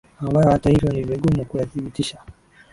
ambayo hata hivyo ni vigumu kuyathibitisha